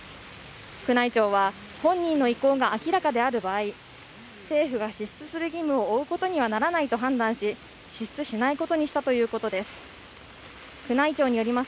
宮内庁は本人の意向が明らかである場合、政府が支出する義務を負うことにはならないと判断し、支出しないことにしたということです。